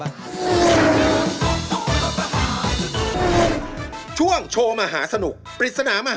สวัสดีครับ